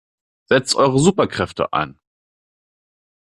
Setzt eure Superkräfte ein!